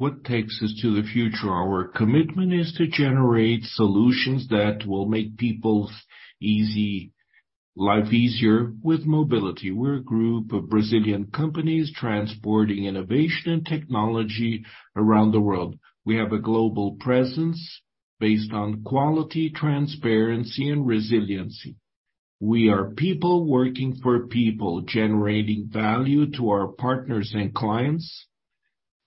What takes us to the future? Our commitment is to generate solutions that will make people's life easier with mobility. We're a group of Brazilian companies transporting innovation and technology around the world. We have a global presence based on quality, transparency, and resiliency. We are people working for people, generating value to our partners and clients.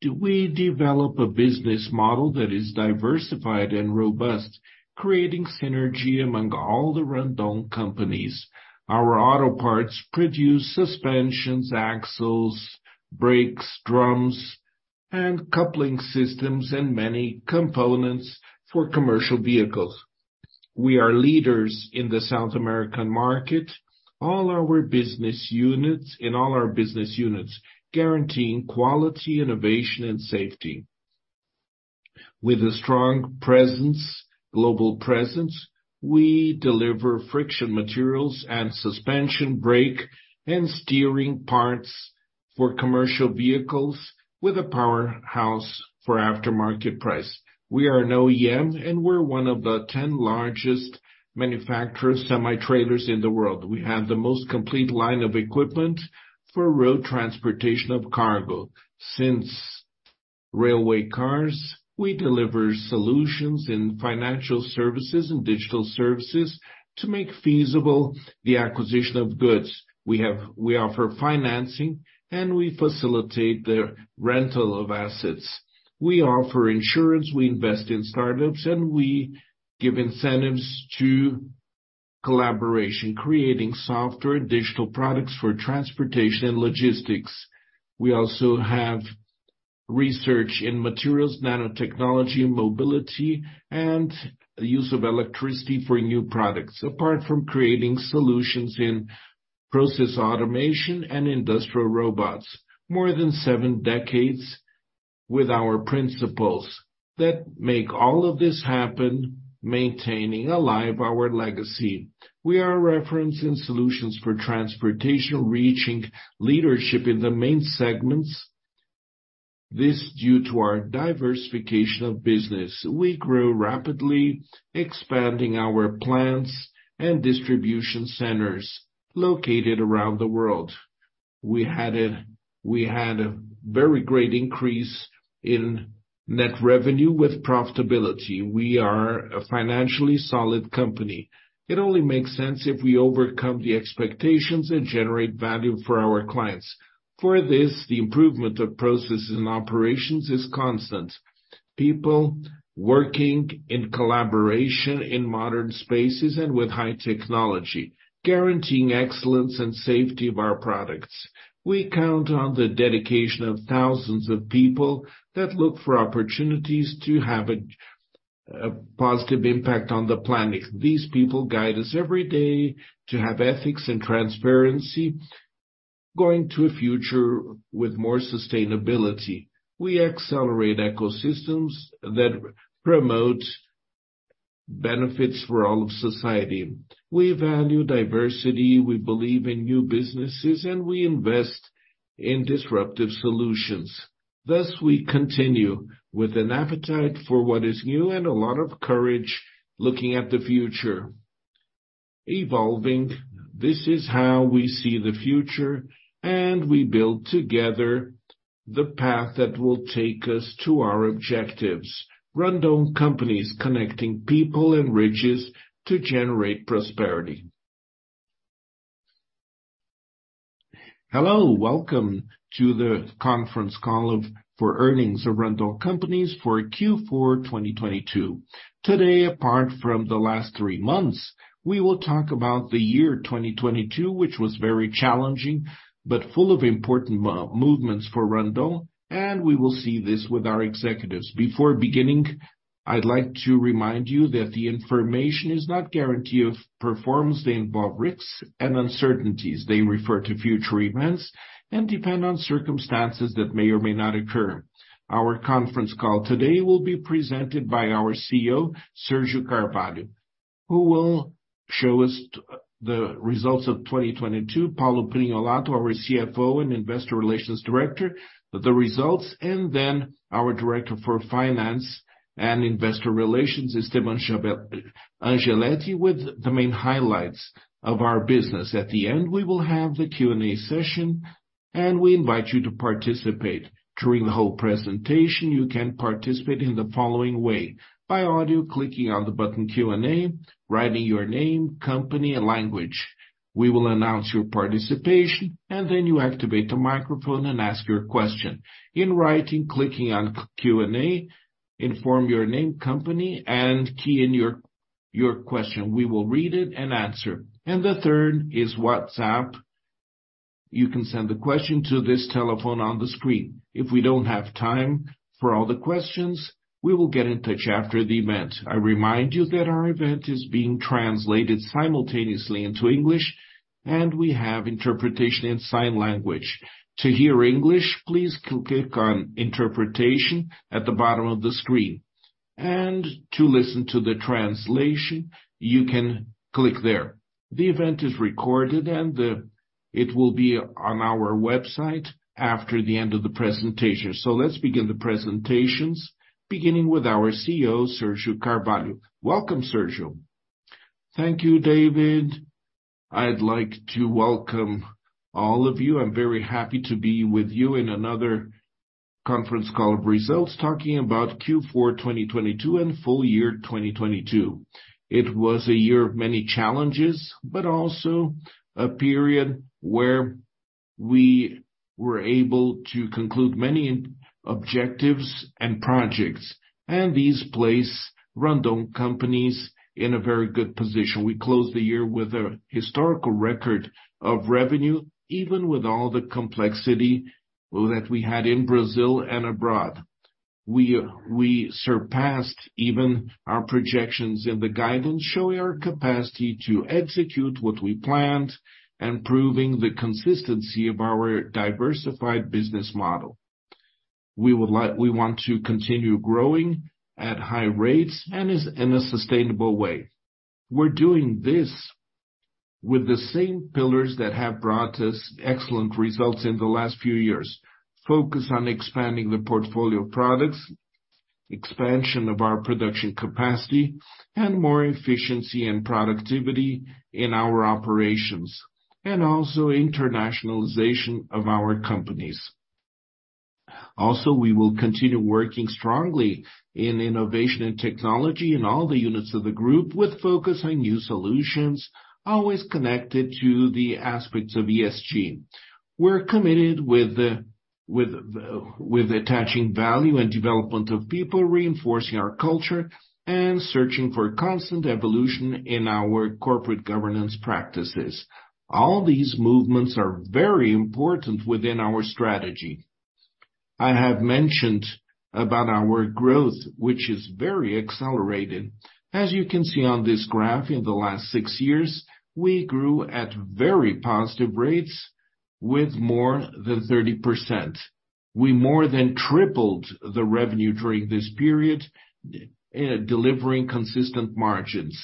Do we develop a business model that is diversified and robust, creating synergy among all the Randon Companies. Our auto parts produce suspensions, axles, brakes, drums, and coupling systems, and many components for commercial vehicles. We are leaders in the South American market. In all our business units, guaranteeing quality, innovation, and safety. With a strong presence, global presence, we deliver friction materials and suspension, brake, and steering parts for commercial vehicles with a powerhouse for aftermarket price. We are an OEM. We're one of the 10 largest manufacturers of semi-trailers in the world. We have the most complete line of equipment for road transportation of cargo. Since railway cars, we deliver solutions in financial services and digital services to make feasible the acquisition of goods. We offer financing. We facilitate the rental of assets. We offer insurance. We invest in startups. We give incentives to collaboration, creating software, digital products for transportation and logistics. We also have research in materials, nanotechnology, mobility, and the use of electricity for new products. Apart from creating solutions in process automation and industrial robots. More than 7 decades with our principals that make all of this happen, maintaining alive our legacy. We are a reference in solutions for transportation, reaching leadership in the main segments. This due to our diversification of business. We grew rapidly, expanding our plants and distribution centers located around the world. We had a very great increase in net revenue with profitability. We are a financially solid company. It only makes sense if we overcome the expectations and generate value for our clients. For this, the improvement of processes and operations is constant. People working in collaboration in modern spaces and with high technology, guaranteeing excellence and safety of our products. We count on the dedication of thousands of people that look for opportunities to have a positive impact on the planet. These people guide us every day to have ethics and transparency, going to a future with more sustainability. We accelerate ecosystems that promote benefits for all of society. We value diversity, we believe in new businesses, and we invest in disruptive solutions. Thus, we continue with an appetite for what is new and a lot of courage looking at the future. Evolving, this is how we see the future, and we build together the path that will take us to our objectives. Randon Companies, connecting people and ridges to generate prosperity. Hello, welcome to the conference call for earnings of Randon Companies for Q4 2022. Today, apart from the last 3 months, we will talk about the year 2022, which was very challenging, but full of important movements for Randon, and we will see this with our executives. Before beginning, I'd like to remind you that the information is not guarantee of performance. They involve risks and uncertainties. They refer to future events and depend on circumstances that may or may not occur. Our conference call today will be presented by our CEO, Sergio Carvalho, who will show us the results of 2022. Paulo Prignolato, our CFO and Investor Relations Director, the results, and then our Director for Finance and Investor Relations, Esteban Angeletti, with the main highlights of our business. At the end, we will have the Q&A session, and we invite you to participate. During the whole presentation, you can participate in the following way: By audio, clicking on the button Q&A, writing your name, company, and language. We will announce your participation, and then you activate the microphone and ask your question. In writing, clicking on Q&A, inform your name, company, and key in your question. We will read it and answer. The third is WhatsApp. You can send a question to this telephone on the screen. If we don't have time for all the questions, we will get in touch after the event. I remind you that our event is being translated simultaneously into English, and we have interpretation in sign language. To hear English, please click on Interpretation at the bottom of the screen. To listen to the translation, you can click there. The event is recorded, it will be on our website after the end of the presentation. Let's begin the presentations, beginning with our CEO, Sergio Carvalho. Welcome, Sergio. Thank you, David. I'd like to welcome all of you. I'm very happy to be with you in another conference call of results, talking about Q4 2022 and full year 2022. It was a year of many challenges, also a period where we were able to conclude many objectives and projects. These place Randon Companies in a very good position. We closed the year with a historical record of revenue, even with all the complexity that we had in Brazil and abroad. We surpassed even our projections in the guidance, showing our capacity to execute what we planned, and proving the consistency of our diversified business model. We want to continue growing at high rates in a sustainable way. We're doing this with the same pillars that have brought us excellent results in the last few years. Focus on expanding the portfolio of products, expansion of our production capacity, and more efficiency and productivity in our operations, and also internationalization of our companies. We will continue working strongly in innovation and technology in all the units of the group with focus on new solutions, always connected to the aspects of ESG. We're committed with attaching value and development of people, reinforcing our culture, and searching for constant evolution in our corporate governance practices. All these movements are very important within our strategy. I have mentioned about our growth, which is very accelerated. As you can see on this graph, in the last 6 years, we grew at very positive rates with more than 30%. We more than tripled the revenue during this period, delivering consistent margins.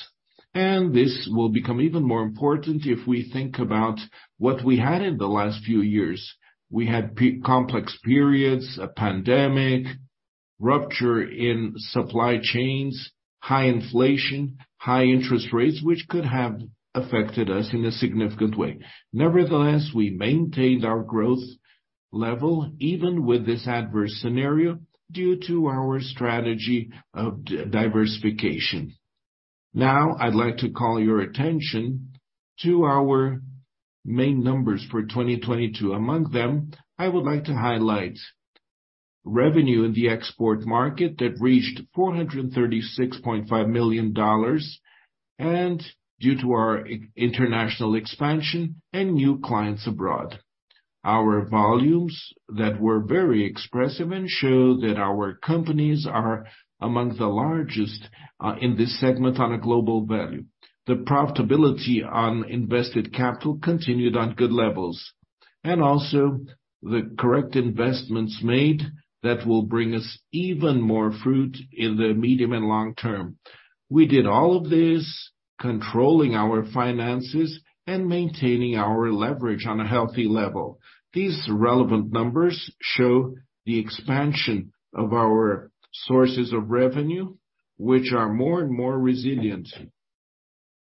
This will become even more important if we think about what we had in the last few years. We had complex periods, a pandemic, rupture in supply chains, high inflation, high interest rates, which could have affected us in a significant way. Nevertheless, we maintained our growth level, even with this adverse scenario due to our strategy of diversification. I'd like to call your attention to our main numbers for 2022. Among them, I would like to highlight revenue in the export market that reached $436.5 million, due to our international expansion and new clients abroad. Our volumes that were very expressive and show that our companies are among the largest in this segment on a global value. The profitability on invested capital continued on good levels. Also the correct investments made that will bring us even more fruit in the medium and long term. We did all of this, controlling our finances and maintaining our leverage on a healthy level. These relevant numbers show the expansion of our sources of revenue, which are more and more resilient.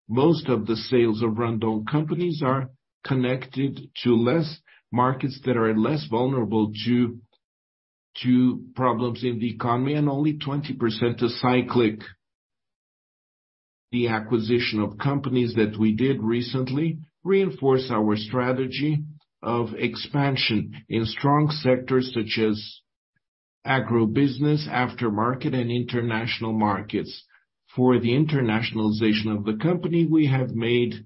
Most of the sales of Randon Companies are connected to less markets that are less vulnerable due to problems in the economy, and only 20% to cyclic. The acquisition of companies that we did recently reinforce our strategy of expansion in strong sectors such as agribusiness, aftermarket, and international markets. For the internationalization of the company, we have made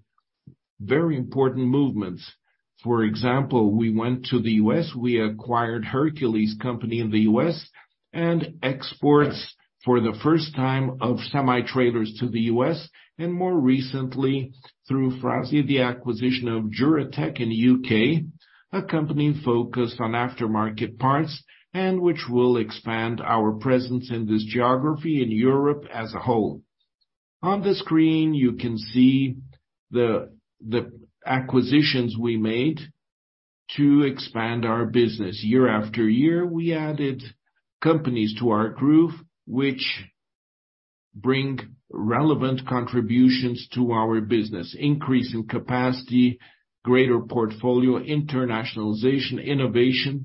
very important movements. For example, we went to the U.S., we acquired Hercules company in the U.S., and exports for the first time of semi-trailers to the U.S., and more recently, through Fras-le, the acquisition of Juratek in U.K., a company focused on aftermarket parts and which will expand our presence in this geography in Europe as a whole. On the screen, you can see the acquisitions we made to expand our business. Year after year, we added companies to our group which bring relevant contributions to our business, increase in capacity, greater portfolio, internationalization, innovation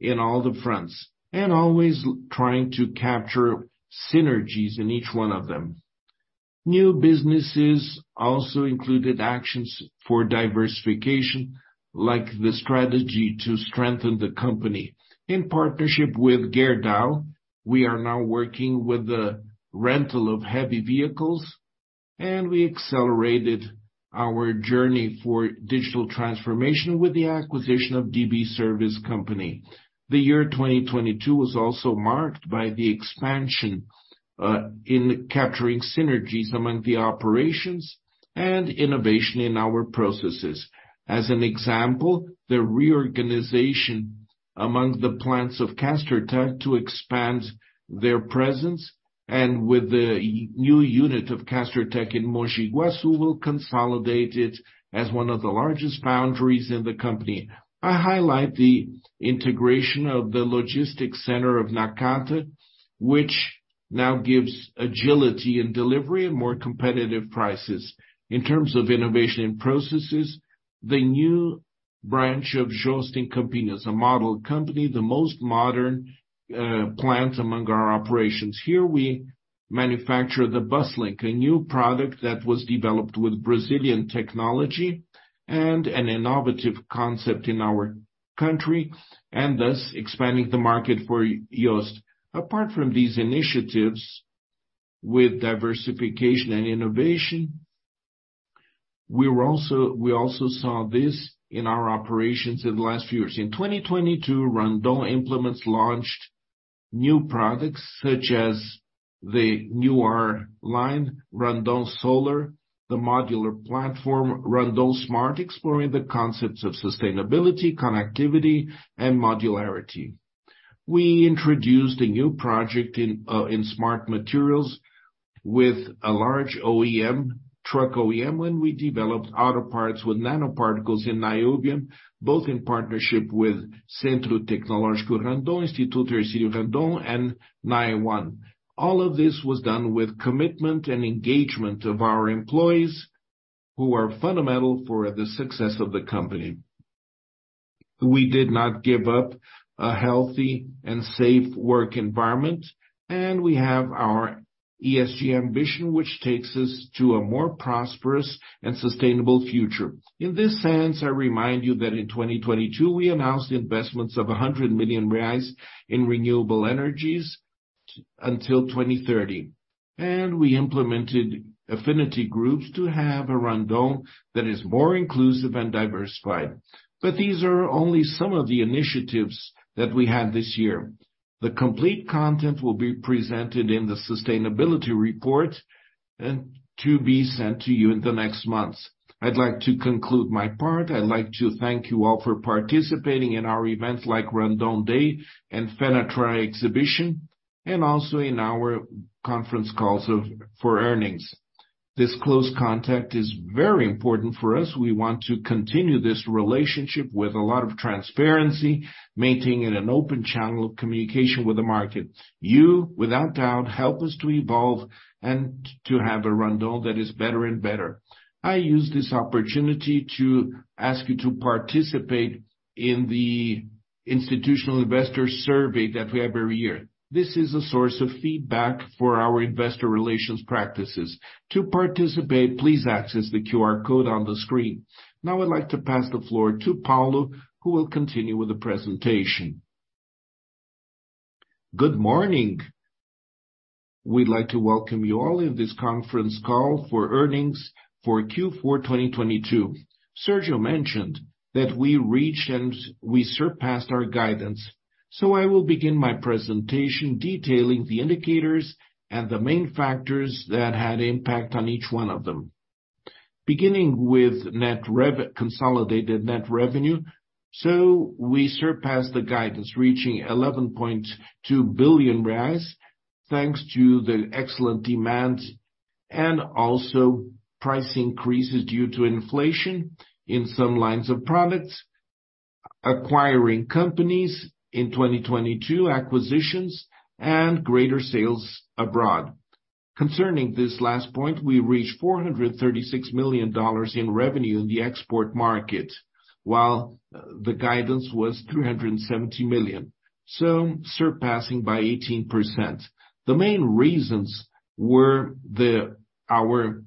in all the fronts, and always trying to capture synergies in each one of them. New businesses also included actions for diversification, like the strategy to strengthen the company. In partnership with Gerdau, we are now working with the rental of heavy vehicles. We accelerated our journey for digital transformation with the acquisition of DB Service company. The year 2022 was also marked by the expansion in capturing synergies among the operations and innovation in our processes. As an example, the reorganization amongst the plants of Castertech to expand their presence and with the new unit of Castertech in Mogi Guaçu will consolidate it as one of the largest foundries in the company. I highlight the integration of the logistics center of Nakata, which now gives agility in delivery and more competitive prices. In terms of innovation and processes, the new branch of JOST in Campinas, a model company, the most modern plant among our operations. Here we manufacture the BusLink, a new product that was developed with Brazilian technology and an innovative concept in our country, and thus expanding the market for JOST. Apart from these initiatives with diversification and innovation, we also saw this in our operations in the last few years. In 2022, Randon Implementos launched new products such as the New R Line, Randon Solar, the modular platform, Randon Smart, exploring the concepts of sustainability, connectivity, and modularity. We introduced a new project in smart materials with a large OEM, truck OEM, when we developed auto parts with nanoparticles in niobium, both in partnership with Centro Tecnológico Randon, Instituto Hercílio Randon, and NIONE. All of this was done with commitment and engagement of our employees who are fundamental for the success of the company. We did not give up a healthy and safe work environment, and we have our ESG ambition, which takes us to a more prosperous and sustainable future. In this sense, I remind you that in 2022, we announced investments of 100 million reais in renewable energies until 2030. We implemented affinity groups to have a Randon that is more inclusive and diversified. These are only some of the initiatives that we had this year. The complete content will be presented in the sustainability report and to be sent to you in the next months. I'd like to conclude my part. I'd like to thank you all for participating in our events like Randon Day and Fenatran Exhibition, and also in our conference calls for earnings. This close contact is very important for us. We want to continue this relationship with a lot of transparency, maintaining an open channel of communication with the market. You, without doubt, help us to evolve and to have a Randon that is better and better. I use this opportunity to ask you to participate in the institutional investor survey that we have every year. This is a source of feedback for our investor relations practices. To participate, please access the QR code on the screen. I'd like to pass the floor to Paulo, who will continue with the presentation. Good morning. We'd like to welcome you all in this conference call for earnings for Q4 2022. Sergio mentioned that we reached and we surpassed our guidance. I will begin my presentation detailing the indicators and the main factors that had impact on each one of them. Beginning with consolidated net revenue. We surpassed the guidance, reaching 11.2 billion reais, thanks to the excellent demand and also price increases due to inflation in some lines of products, acquiring companies in 2022 acquisitions, and greater sales abroad. Concerning this last point, we reached $436 million in revenue in the export market, while the guidance was $370 million. Surpassing by 18%. The main reasons were our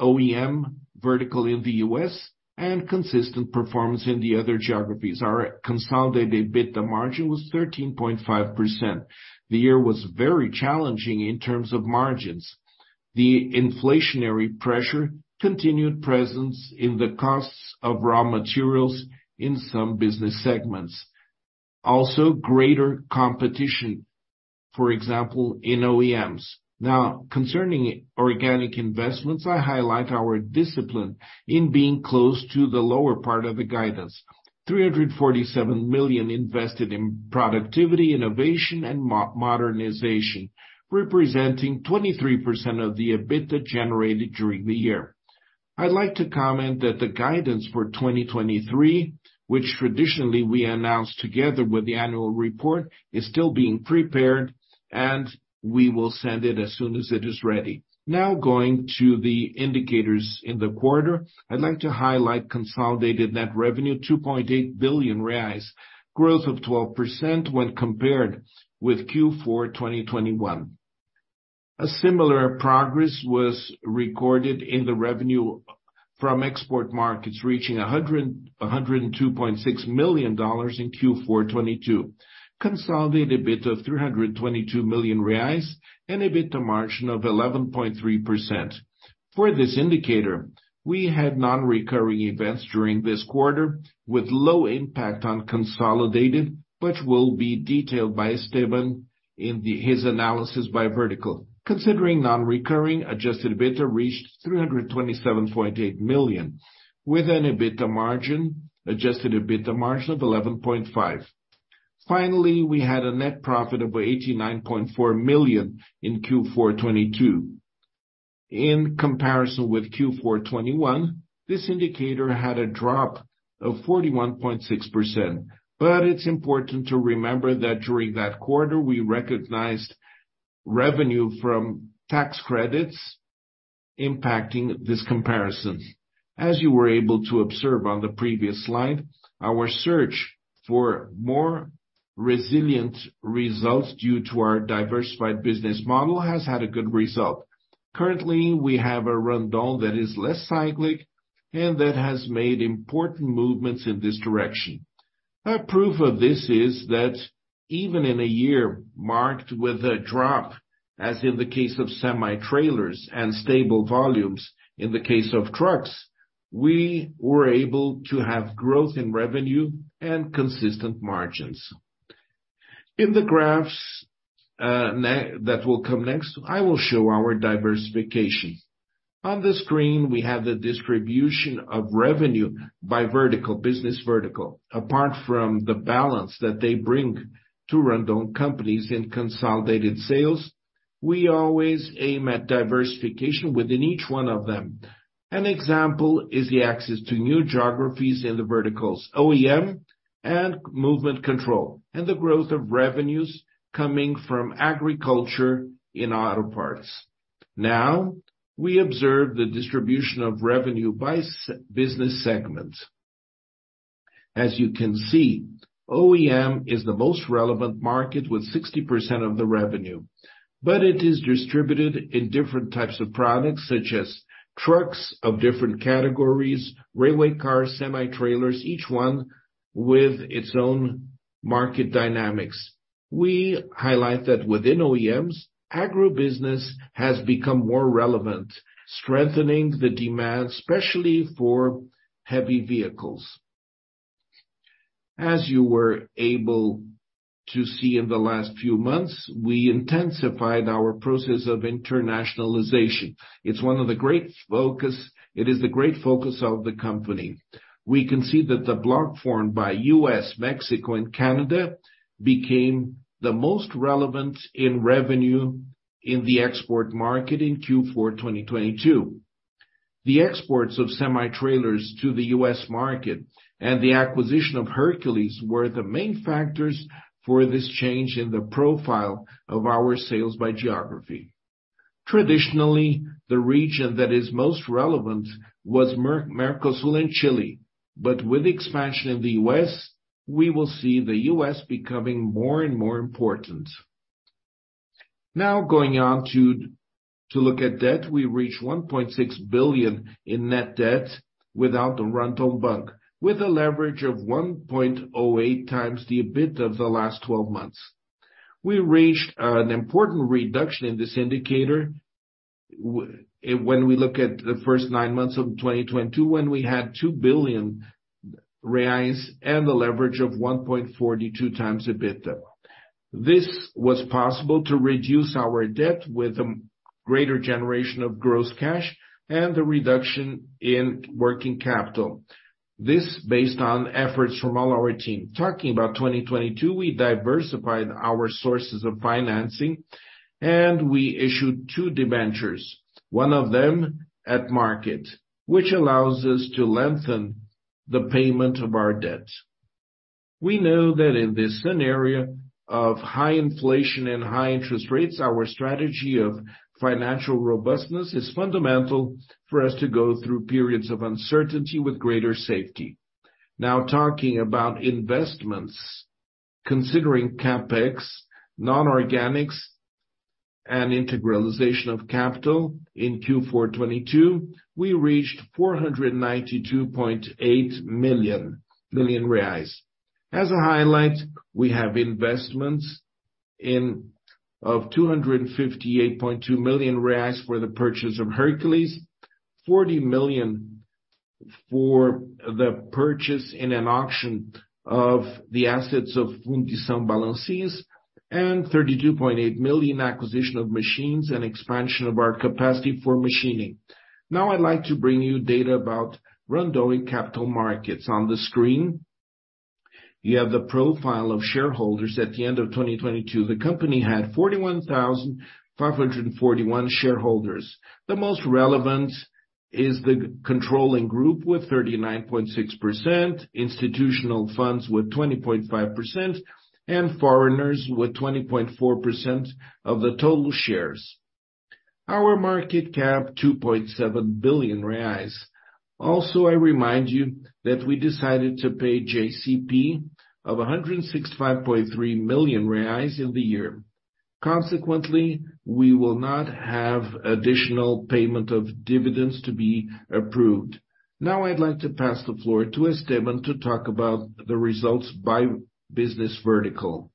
OEM vertical in the U.S. and consistent performance in the other geographies. Our consolidated EBITDA margin was 13.5%. The year was very challenging in terms of margins. The inflationary pressure continued presence in the costs of raw materials in some business segments. Greater competition, for example, in OEMs. Concerning organic investments, I highlight our discipline in being close to the lower part of the guidance. 347 million invested in productivity, innovation and modernization, representing 23% of the EBITDA generated during the year. I'd like to comment that the guidance for 2023, which traditionally we announce together with the annual report, is still being prepared, and we will send it as soon as it is ready. Going to the indicators in the quarter. I'd like to highlight consolidated net revenue, 2.8 billion reais, growth of 12% when compared with Q4 2021. A similar progress was recorded in the revenue from export markets, reaching $102.6 million in Q4 2022. Consolidated EBITDA of BRL 322 million and EBITDA margin of 11.3%. For this indicator, we had non-recurring events during this quarter with low impact on consolidated, which will be detailed by Steven. In his analysis by vertical. Considering non-recurring, adjusted EBITDA reached 327.8 million, with an adjusted EBITDA margin of 11.5%. We had a net profit of 89.4 million in Q4 '22. In comparison with Q4 '21, this indicator had a drop of 41.6%. It's important to remember that during that quarter, we recognized revenue from tax credits impacting this comparison. As you were able to observe on the previous slide, our search for more resilient results due to our diversified business model has had a good result. Currently, we have a Randon that is less cyclic and that has made important movements in this direction. A proof of this is that even in a year marked with a drop, as in the case of semi-trailers and stable volumes in the case of trucks, we were able to have growth in revenue and consistent margins. In the graphs that will come next, I will show our diversification. On the screen, we have the distribution of revenue by vertical, business vertical. Apart from the balance that they bring to Randon companies in consolidated sales, we always aim at diversification within each one of them. An example is the access to new geographies in the verticals, OEM and movement control, and the growth of revenues coming from agriculture in auto parts. Now, we observe the distribution of revenue by business segment. OEM is the most relevant market with 60% of the revenue, but it is distributed in different types of products, such as trucks of different categories, railway cars, semi-trailers, each one with its own market dynamics. We highlight that within OEMs, agribusiness has become more relevant, strengthening the demand, especially for heavy vehicles. You were able to see in the last few months, we intensified our process of internationalization. It is the great focus of the company. We can see that the block formed by U.S., Mexico and Canada became the most relevant in revenue in the export market in Q4 2022. The exports of semi-trailers to the U.S. market and the acquisition of Hercules were the main factors for this change in the profile of our sales by geography. Traditionally, the region that is most relevant was Mercosul and Chile. With expansion in the U.S., we will see the U.S. becoming more and more important. Going on to look at debt, we reached 1.6 billion BRL in net debt without the Randon Bank, with a leverage of 1.08 times the EBITDA of the last 12 months. We reached an important reduction in this indicator when we look at the first 9 months of 2022 when we had 2 billion reais and a leverage of 1.42 times EBITDA. This was possible to reduce our debt with greater generation of gross cash and the reduction in working capital. This based on efforts from all our team. Talking about 2022, we diversified our sources of financing, we issued 2 debentures. One of them at market, which allows us to lengthen the payment of our debt. We know that in this scenario of high inflation and high interest rates, our strategy of financial robustness is fundamental for us to go through periods of uncertainty with greater safety. Talking about investments. Considering CapEx, non-organics, and integralization of capital in Q4 2022, we reached R$492.8 million. As a highlight, we have investments of R$258.2 million for the purchase of Hercules, R$40 million for the purchase in an auction of the assets of Fundição Balancins, and R$32.8 million acquisition of machines and expansion of our capacity for machining. I'd like to bring you data about Randon in capital markets. On the screen, you have the profile of shareholders at the end of 2022. The company had 41,541 shareholders. The most relevant is the controlling group with 39.6%, institutional funds with 20.5%, and foreigners with 20.4% of the total shares. Our market cap, 2.7 billion reais. I remind you that we decided to pay JCP of 165.3 million reais in the year. We will not have additional payment of dividends to be approved. I'd like to pass the floor to Esteban to talk about the results by business vertical.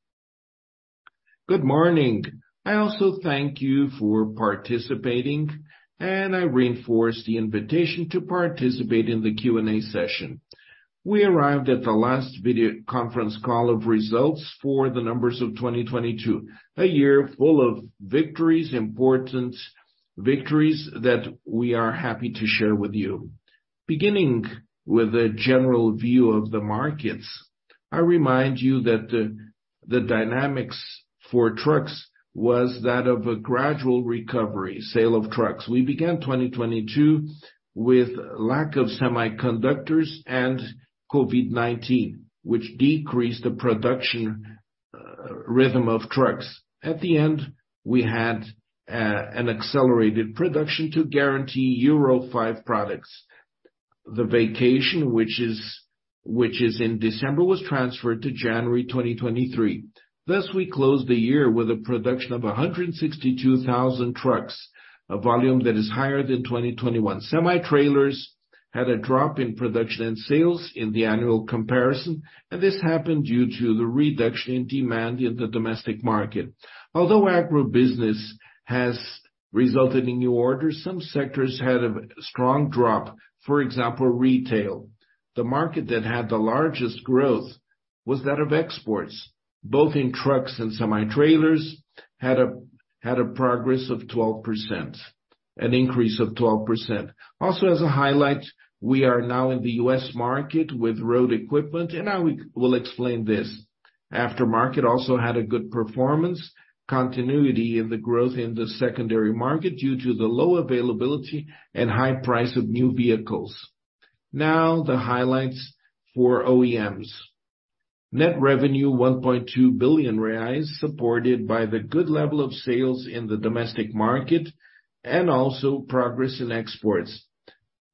Good morning. I also thank you for participating, and I reinforce the invitation to participate in the Q&A session. We arrived at the last video conference call of results for the numbers of 2022, a year full of victories, important victories that we are happy to share with you. Beginning with a general view of the markets, I remind you that the dynamics for trucks was that of a gradual recovery, sale of trucks. We began 2022 with lack of semiconductors and COVID-19, which decreased the production rhythm of trucks. At the end, we had an accelerated production to guarantee Euro V products. The vacation, which is in December, was transferred to January 2023. Thus, we closed the year with a production of 162,000 trucks, a volume that is higher than 2021. Semi-trailers had a drop in production and sales in the annual comparison, and this happened due to the reduction in demand in the domestic market. Although agribusiness has resulted in new orders, some sectors had a strong drop, for example, retail. The market that had the largest growth was that of exports, both in trucks and semi-trailers, had a progress of 12%. An increase of 12%. As a highlight, we are now in the U.S. market with road equipment, and now we will explain this. Aftermarket also had a good performance, continuity in the growth in the secondary market due to the low availability and high price of new vehicles. The highlights for OEMs. Net revenue 1.2 billion reais, supported by the good level of sales in the domestic market and also progress in exports.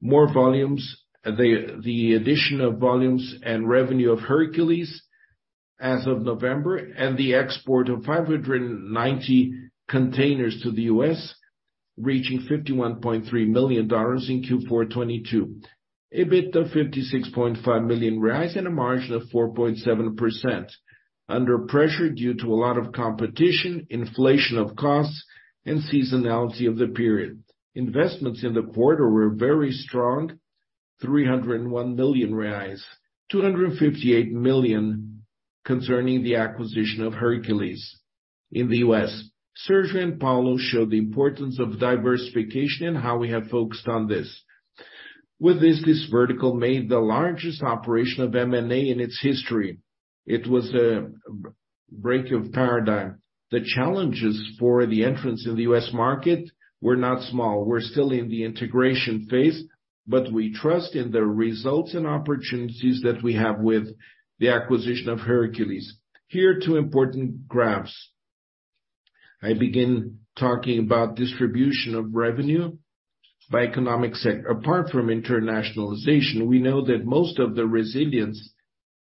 The addition of volumes and revenue of Hercules as of November and the export of 590 containers to the U.S., reaching $51.3 million in Q4 2022. EBITDA R$56.5 million and a margin of 4.7%, under pressure due to a lot of competition, inflation of costs, and seasonality of the period. Investments in the quarter were very strong, R$301 million. R$258 million concerning the acquisition of Hercules in the U.S. Sergio and Paulo show the importance of diversification and how we have focused on this. This, this vertical made the largest operation of M&A in its history. It was a break of paradigm. The challenges for the entrance in the U.S. market were not small. We're still in the integration phase, but we trust in the results and opportunities that we have with the acquisition of Hercules. Here are 2 important graphs. I begin talking about distribution of revenue by economic sector. Apart from internationalization, we know that most of the resilience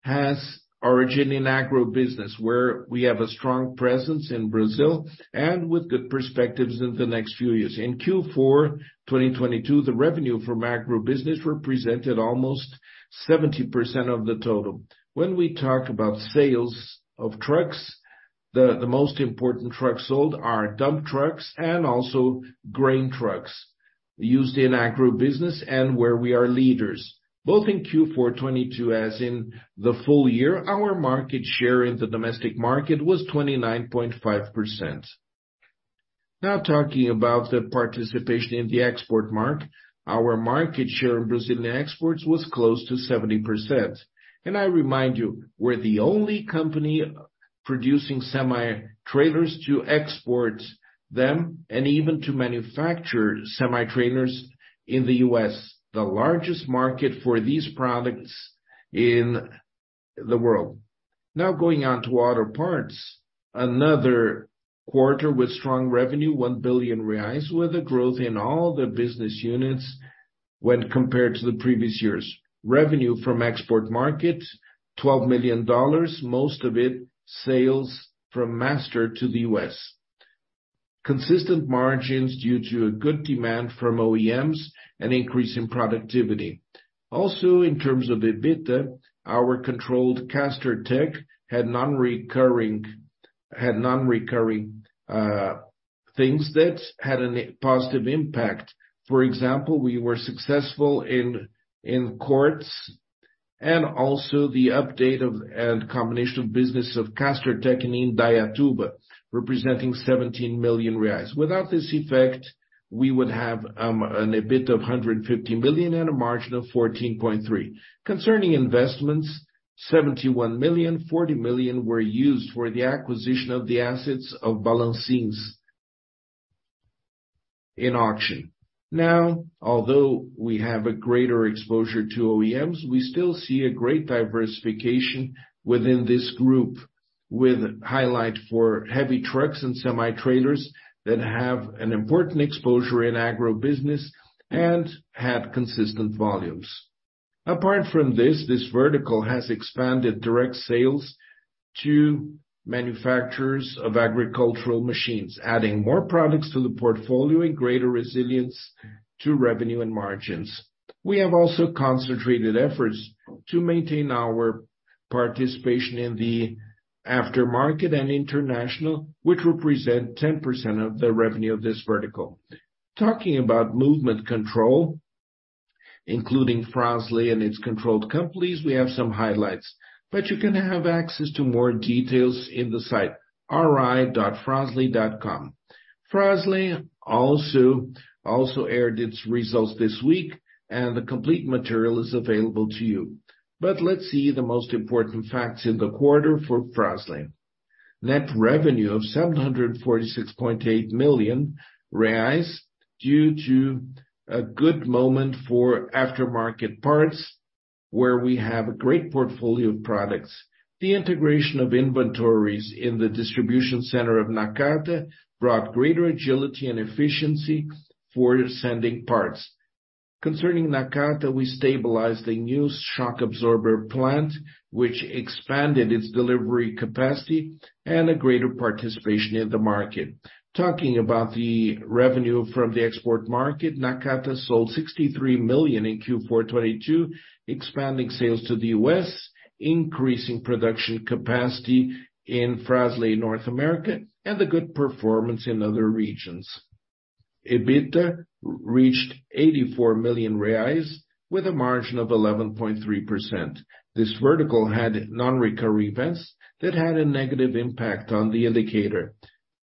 has origin in agribusiness, where we have a strong presence in Brazil and with good perspectives in the next few years. In Q4 2022, the revenue from agribusiness represented almost 70% of the total. When we talk about sales of trucks, the most important trucks sold are dump trucks and also grain trucks used in agribusiness and where we are leaders. Both in Q4 2022 as in the full year, our market share in the domestic market was 29.5%. Now talking about the participation in the export market. Our market share in Brazilian exports was close to 70%. I remind you, we're the only company producing semi-trailers to export them and even to manufacture semi-trailers in the U.S., the largest market for these products in the world. Going on to other parts. Another quarter with strong revenue, 1 billion reais, with a growth in all the business units when compared to the previous years. Revenue from export markets, $12 million, most of it sales from Master to the U.S. Consistent margins due to a good demand from OEMs and increase in productivity. In terms of EBITDA, our controlled Castertech had non-recurring things that had an positive impact. For example, we were successful in courts and also the update of, and combination of business of Castertech in Indaiatuba, representing 17 million reais. Without this effect, we would have an EBITDA of 150 million and a margin of 14.3%. Concerning investments, 71 million, 40 million were used for the acquisition of the assets of Balancins in auction. Now, although we have a greater exposure to OEMs, we still see a great diversification within this group, with highlight for heavy trucks and semi-trailers that have an important exposure in agro business and have consistent volumes. Apart from this vertical has expanded direct sales to manufacturers of agricultural machines, adding more products to the portfolio and greater resilience to revenue and margins. We have also concentrated efforts to maintain our participation in the aftermarket and international, which represent 10% of the revenue of this vertical. Talking about movement control, including Fras-le and its controlled companies, we have some highlights, but you can have access to more details in the site ri.fras-le.com. Fras-le also aired its results this week, and the complete material is available to you. Let's see the most important facts in the quarter for Fras-le. Net revenue of 746.8 million reais, due to a good moment for aftermarket parts, where we have a great portfolio of products. The integration of inventories in the distribution center of Nakata brought greater agility and efficiency for sending parts. Concerning Nakata, we stabilized a new shock absorber plant, which expanded its delivery capacity and a greater participation in the market. Talking about the revenue from the export market, Nakata sold 63 million in Q4 2022, expanding sales to the U.S., increasing production capacity in Fras-le North America, and the good performance in other regions. EBITDA reached 84 million reais with a margin of 11.3%. This vertical had non-recurring events that had a negative impact on the indicator.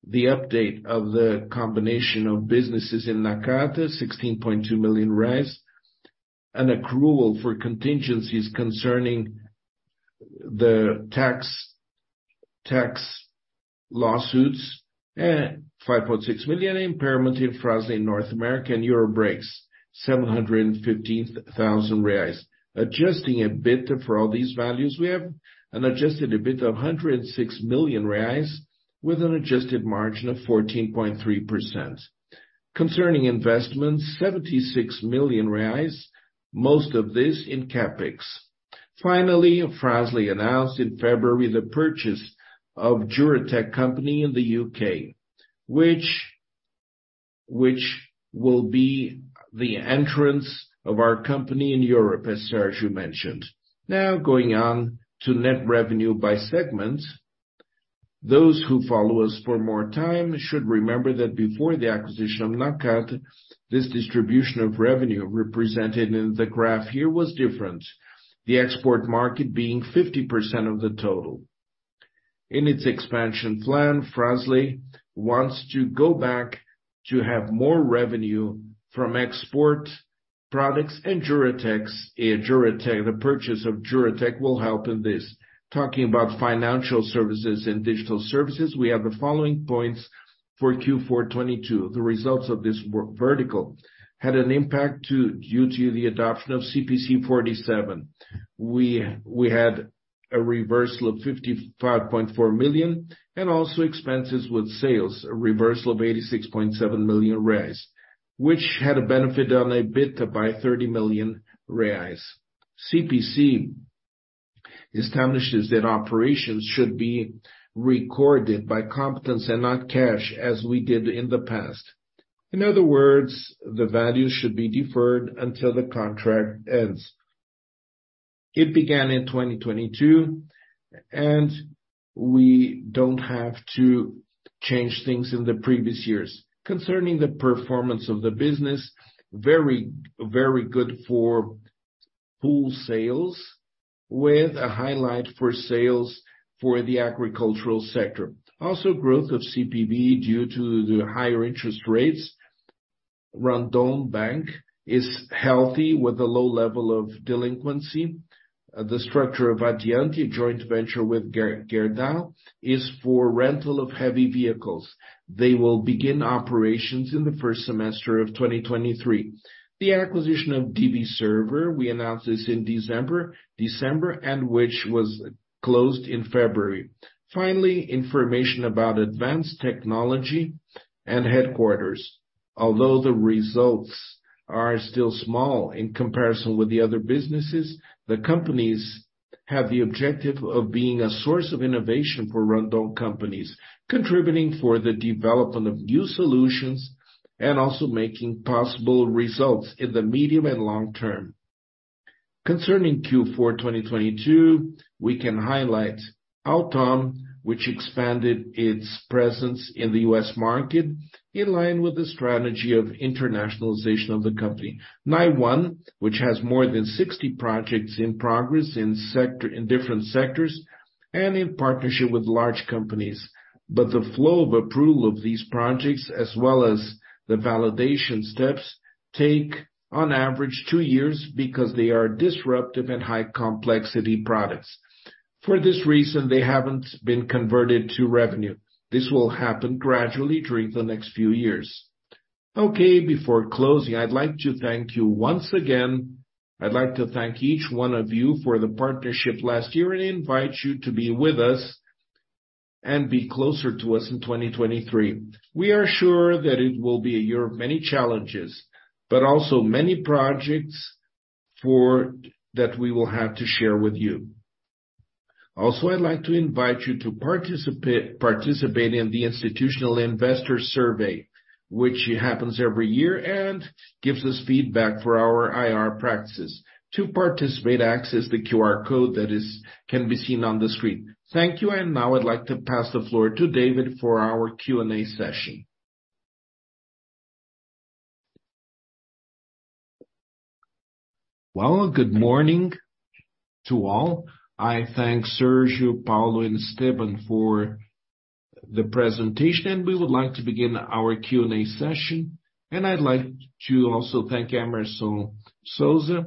The update of the combination of businesses in Nakata, 16.2 million, an accrual for contingencies concerning the tax lawsuits, 5.6 million impairment in Fras-le North America and Eurobrakes, BRL 715,000. Adjusting EBITDA for all these values, we have an adjusted EBITDA of 106 million reais with an adjusted margin of 14.3%. Concerning investments, 76 million reais, most of this in CapEx. Finally, Fras-le announced in February the purchase of Juratek company in the U.K., which will be the entrance of our company in Europe, as Sergio mentioned. Going on to net revenue by segment. Those who follow us for more time should remember that before the acquisition of Nakata, this distribution of revenue represented in the graph here was different, the export market being 50% of the total. In its expansion plan, Fras-le wants to go back to have more revenue from export products and the purchase of Duratech will help in this. Talking about financial services and digital services, we have the following points for Q4 2022. The results of this vertical had an impact too, due to the adoption of CPC 47. We had a reversal of 55.4 million and also expenses with sales, a reversal of 86.7 million reais, which had a benefit on a EBITDA by 30 million reais. CPC establishes that operations should be recorded by competence and not cash, as we did in the past. In other words, the value should be deferred until the contract ends. It began in 2022, and we don't have to change things in the previous years. Concerning the performance of the business, very, very good for pool sales, with a highlight for sales for the agricultural sector. Also, growth of CPV due to the higher interest rates. Randon Bank is healthy with a low level of delinquency. The structure of Adiante, joint venture with Gerdau, is for rental of heavy vehicles. They will begin operations in the first semester of 2023. The acquisition of DBServer, we announced this in December, and which was closed in February. Finally, information about advanced technology and headquarters. Although the results are still small in comparison with the other businesses, the companies have the objective of being a source of innovation for Randon Companies, contributing for the development of new solutions and also making possible results in the medium and long term. Concerning Q4 2022, we can highlight Auttom, which expanded its presence in the U.S. market in line with the strategy of internationalization of the company. NIONE, which has more than 60 projects in progress in different sectors and in partnership with large companies. The flow of approval of these projects, as well as the validation steps, take on average 2 years because they are disruptive and high complexity products. For this reason, they haven't been converted to revenue. This will happen gradually during the next few years. Okay, before closing, I'd like to thank you once again. I'd like to thank each one of you for the partnership last year and invite you to be with us and be closer to us in 2023. We are sure that it will be a year of many challenges, also many projects that we will have to share with you. Also, I'd like to invite you to participate in the Institutional Investor Survey, which happens every year and gives us feedback for our IR practices. To participate, access the QR code that can be seen on the screen. Thank you. Now I'd like to pass the floor to David for our Q&A session. Well, good morning to all. I thank Sergio, Paulo, and Esteban for the presentation, we would like to begin our Q&A session. I'd like to also thank Emerson Souza,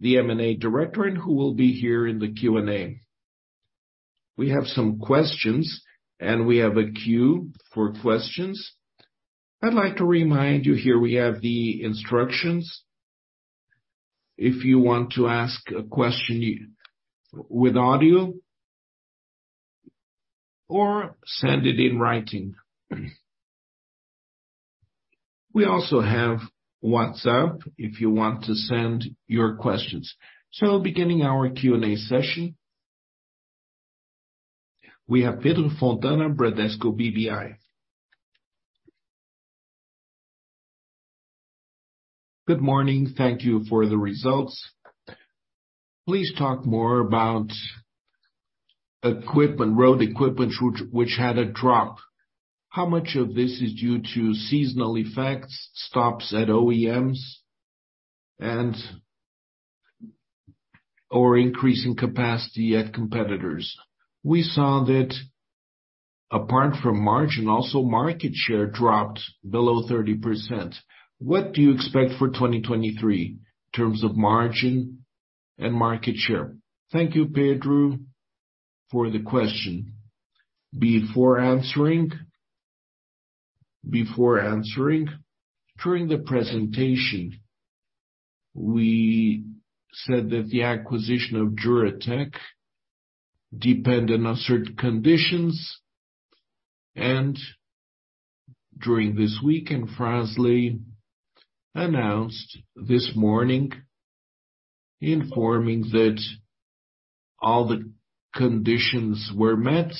the M&A Director, who will be here in the Q&A. We have some questions, we have a queue for questions. I'd like to remind you here we have the instructions. If you want to ask a question with audio or send it in writing. We also have WhatsApp if you want to send your questions. Beginning our Q&A session, we have Pedro Fontana, Bradesco BBI. Good morning. Thank you for the results. Please talk more about equipment, road equipment which had a drop. How much of this is due to seasonal effects, stops at OEMs and/or increase in capacity at competitors? We saw that apart from margin, also market share dropped below 30%. What do you expect for 2023 in terms of margin and market share? Thank you, Pedro, for the question. Before answering, during the presentation, we said that the acquisition of Juratek depended on certain conditions. During this week, Fras-le announced this morning informing that all the conditions were met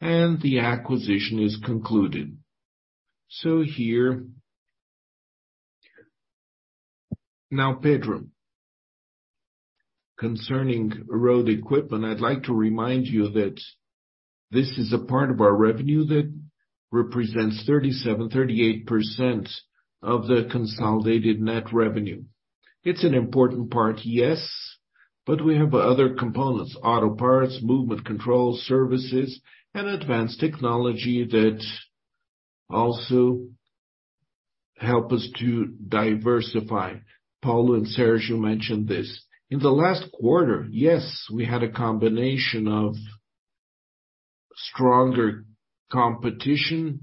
and the acquisition is concluded. Here... Pedro, concerning road equipment, I'd like to remind you that this is a part of our revenue that represents 37%, 38% of the consolidated net revenue. It's an important part, yes, but we have other components: auto parts, movement control, services, and advanced technology that also help us to diversify. Paulo and Sergio mentioned this. In the last quarter, yes, we had a combination of stronger competition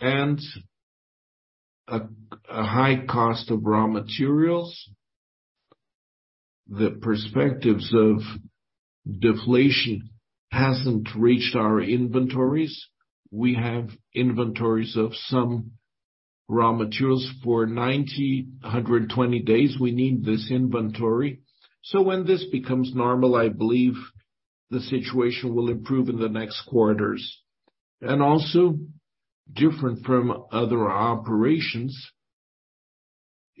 and a high cost of raw materials. The perspectives of deflation hasn't reached our inventories. We have inventories of some raw materials for 90, 120 days. We need this inventory. When this becomes normal, I believe the situation will improve in the next quarters.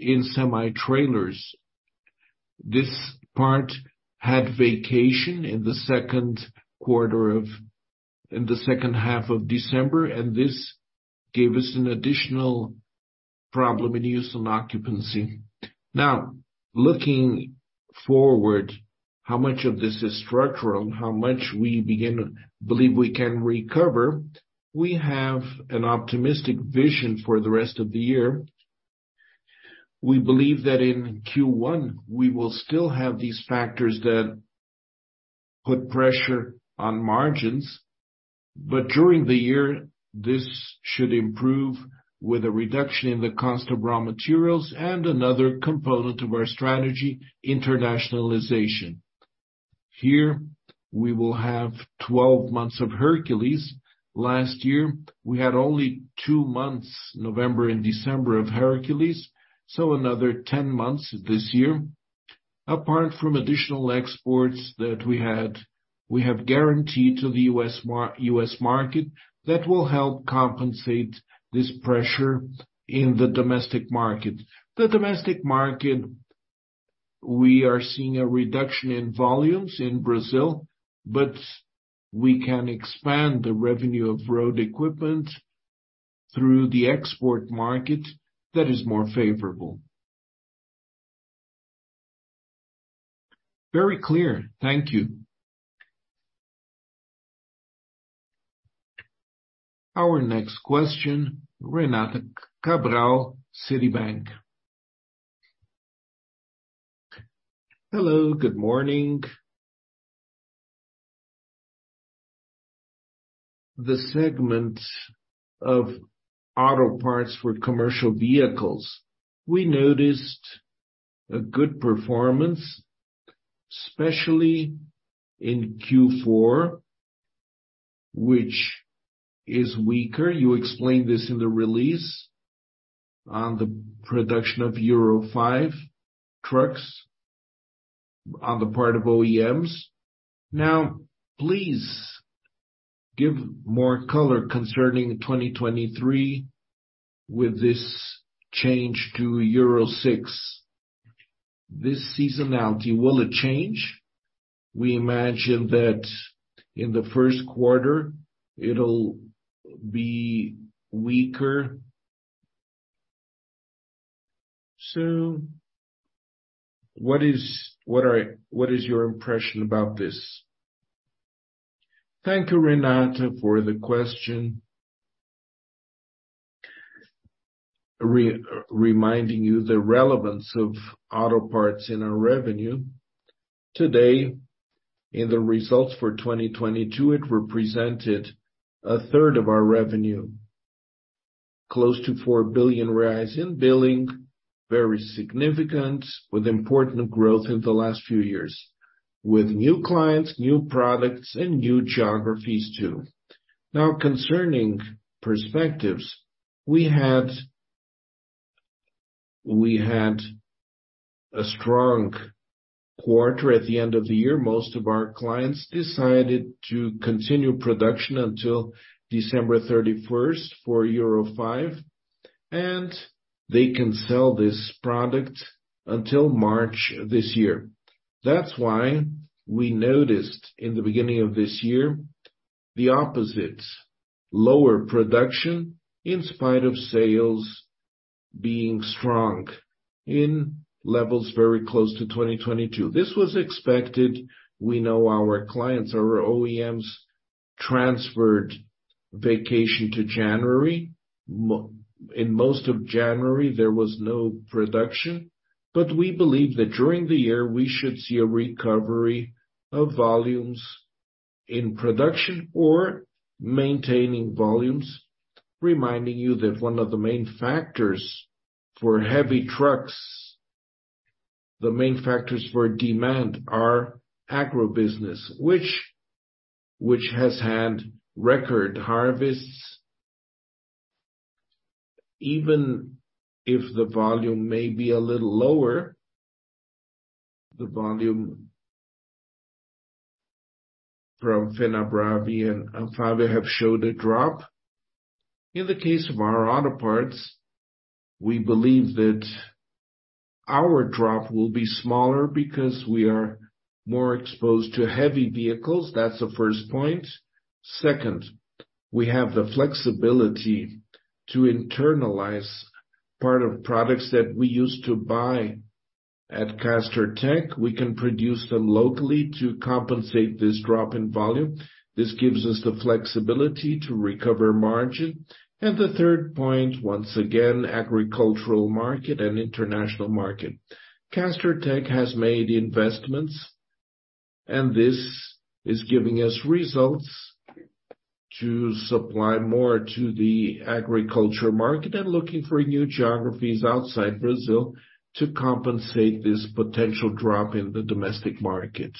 Also different from other operations in semi-trailers, this part had vacation in the H2 of December, and this gave us an additional problem in use and occupancy. Now, looking forward, how much of this is structural and how much we believe we can recover? We have an optimistic vision for the rest of the year. We believe that in Q1, we will still have these factors that put pressure on margins. During the year, this should improve with a reduction in the cost of raw materials and another component of our strategy: internationalization. Here, we will have 12 months of Hercules. Last year, we had only 2 months, November and December, of Hercules, another 10 months this year. Apart from additional exports that we had, we have guaranteed to the U.S. market that will help compensate this pressure in the domestic market. The domestic market, we are seeing a reduction in volumes in Brazil, we can expand the revenue of road equipment through the export market that is more favorable. Very clear. Thank you. Our next question, Renata Cabral, Citibank. Hello, good morning. The segment of auto parts for commercial vehicles, we noticed a good performance, especially in Q4, which is weaker. You explained this in the release on the production of Euro V trucks on the part of OEMs. Please give more color concerning 2023 with this change to Euro VI. This seasonality, will it change? We imagine that in the Q1, it'll be weaker. What is your impression about this? Thank you, Renata, for the question. Re-reminding you the relevance of auto parts in our revenue. Today, in the results for 2022, it represented a third of our revenue, close to 4 billion rise in billing, very significant, with important growth in the last few years, with new clients, new products, and new geographies too. Concerning perspectives, we had a strong quarter at the end of the year. Most of our clients decided to continue production until December 31st for Euro 5, and they can sell this product until March this year. That's why we noticed in the beginning of this year, the opposite, lower production in spite of sales being strong in levels very close to 2022. This was expected. We know our clients, our OEMs, transferred vacation to January. In most of January, there was no production. We believe that during the year, we should see a recovery of volumes in production or maintaining volumes. Reminding you that one of the main factors for heavy trucks, the main factors for demand are agribusiness, which has had record harvests. Even if the volume may be a little lower, the volume from Fenabrave and Anfavea have showed a drop. In the case of our auto parts, we believe that our drop will be smaller because we are more exposed to heavy vehicles. That's the first point. Second, we have the flexibility to internalize part of products that we used to buy at Castertech. We can produce them locally to compensate this drop in volume. This gives us the flexibility to recover margin. The third point, once again, agricultural market and international market. Castertech has made investments, and this is giving us results to supply more to the agriculture market and looking for new geographies outside Brazil to compensate this potential drop in the domestic market.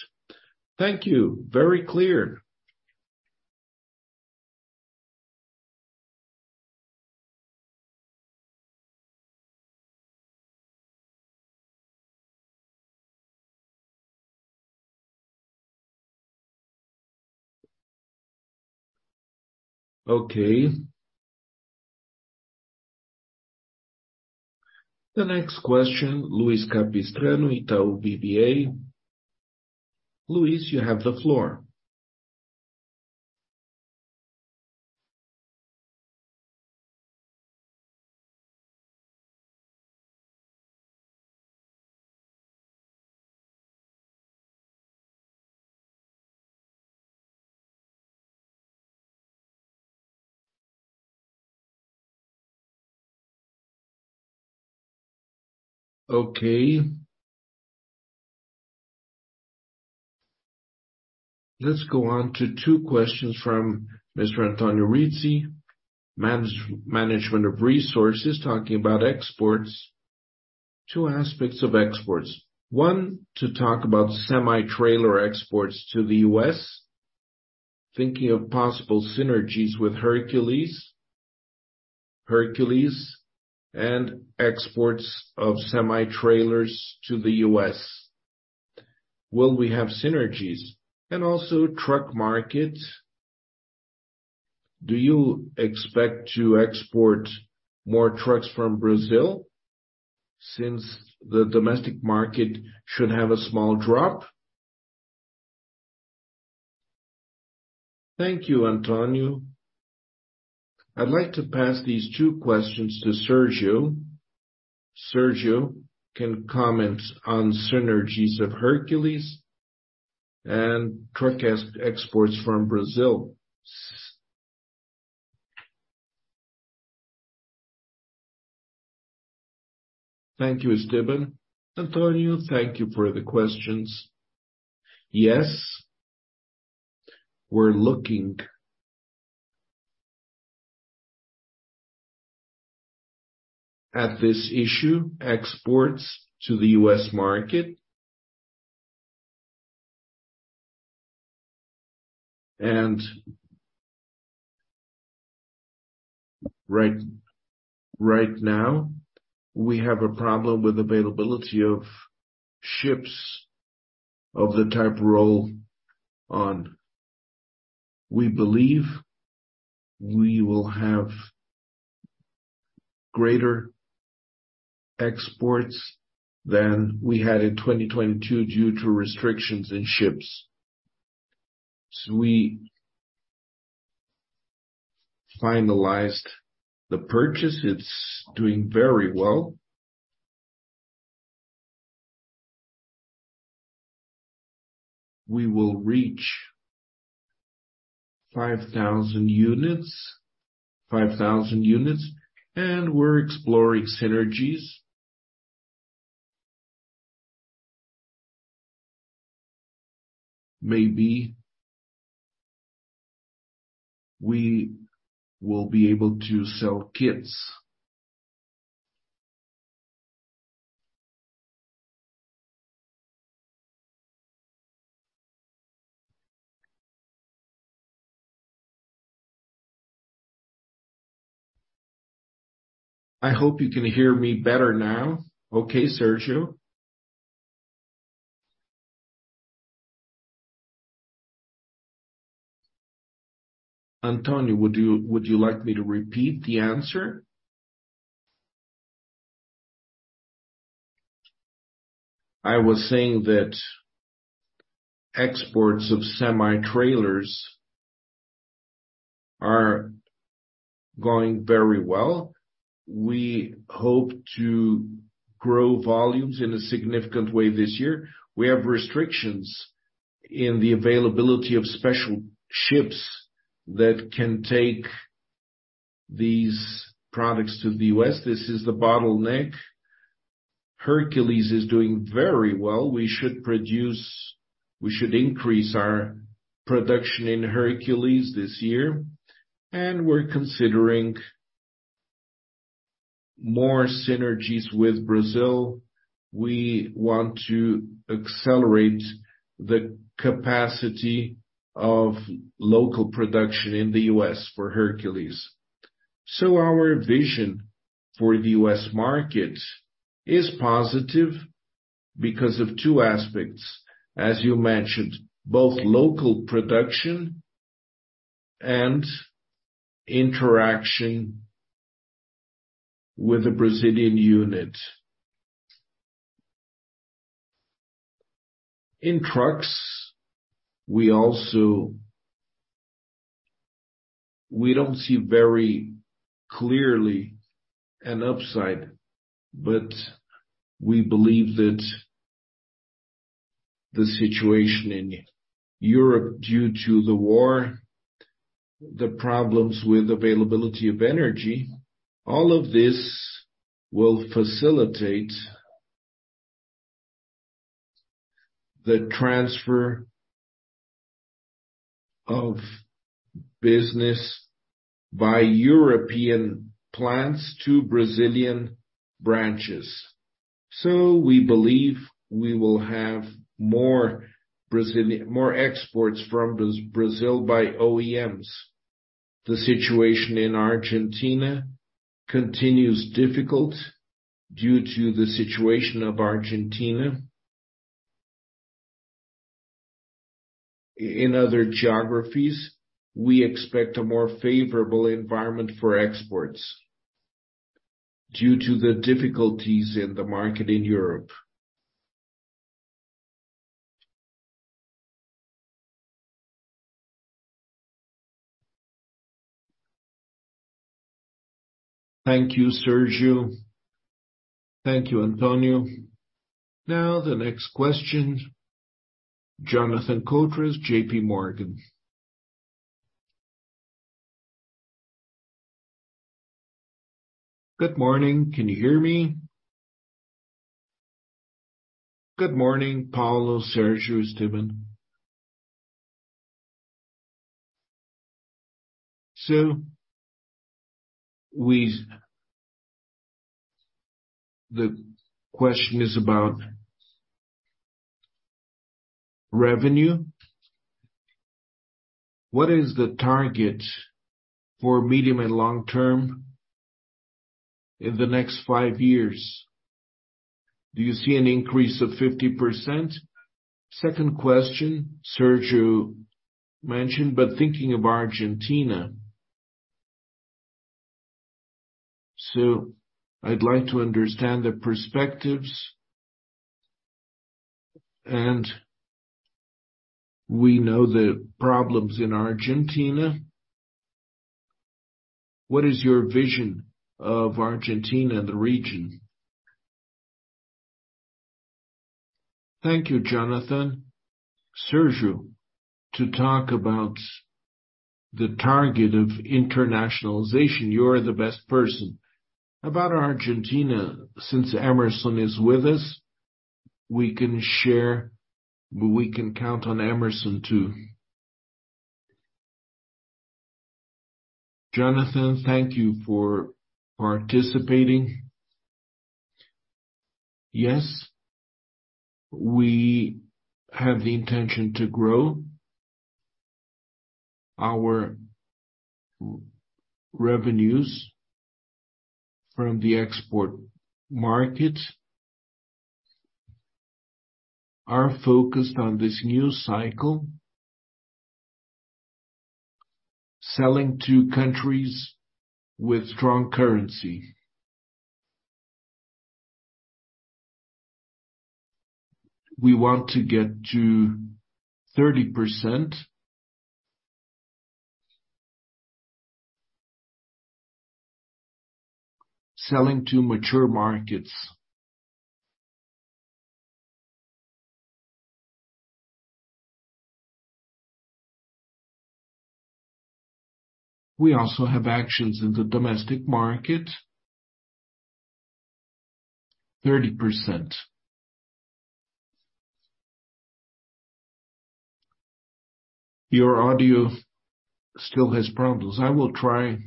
Thank you. Very clear. Okay. The next question, Luiz Capistrano, Itaú BBA. Luiz, you have the floor. Okay. Let's go on to 2 questions from Mr. Antonio Rizzi, management of resources, talking about exports. 2 aspects of exports. One, to talk about semi-trailer exports to the U.S., thinking of possible synergies with Hercules. Hercules and exports of semi-trailers to the U.S. Will we have synergies? Also truck market, do you expect to export more trucks from Brazil since the domestic market should have a small drop? Thank you, Antonio. I'd like to pass these 2 questions to Sergio. Sergio can comment on synergies of Hercules and truck exports from Brazil. Thank you, Esteban. Antonio, thank you for the questions. Yes, we're looking at this issue, exports to the U.S. market. Right now, we have a problem with availability of ships of the type roll-on. We believe we will have greater exports than we had in 2022 due to restrictions in ships. We finalized the purchase. It's doing very well. We will reach 5,000 units, and we're exploring synergies. Maybe we will be able to sell kits. I hope you can hear me better now. Okay, Sergio? Antonio, would you like me to repeat the answer? I was saying that exports of semi-trailers are going very well. We hope to grow volumes in a significant way this year. We have restrictions in the availability of special ships that can take these products to the U.S. This is the bottleneck. Hercules is doing very well. We should increase our production in Hercules this year, and we're considering more synergies with Brazil. We want to accelerate the capacity of local production in the U.S. for Hercules. Our vision for the U.S. market is positive because of 2 aspects, as you mentioned, both local production and interaction with the Brazilian unit. In trucks, we also, we don't see very clearly an upside, but we believe that the situation in Europe due to the war, the problems with availability of energy, all of this will facilitate the transfer of business by European plants to Brazilian branches. We believe we will have more exports from Brazil by OEMs. The situation in Argentina continues difficult due to the situation of Argentina. In other geographies, we expect a more favorable environment for exports due to the difficulties in the market in Europe. Thank you, Sergio. Thank you, Antonio. The next question, Jonathan Curtis, JP Morgan. Good morning. Can you hear me? Good morning, Paulo, Sergio, Steven. The question is about revenue. What is the target for medium and long term in the next 5 years? Do you see an increase of 50%? Second question Sergio mentioned, thinking of Argentina. I'd like to understand the perspectives. We know the problems in Argentina. What is your vision of Argentina, the region? Thank you, Jonathan. Sergio, to talk about the target of internationalization, you're the best person. About Argentina, since Emerson is with us, we can share. We can count on Emerson too. Jonathan, thank you for participating. Yes, we have the intention to grow our revenues from the export market. Are focused on this new cycle, selling to countries with strong currency. We want to get to 30% selling to mature markets. We also have actions in the domestic market, 30%. Your audio still has problems. I will try